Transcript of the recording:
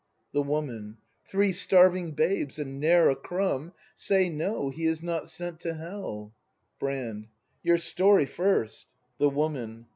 The Woman. Three starving babes, and ne'er a crumb, Say no, — he is not sent to hell! Brand. Your story first. The Woman.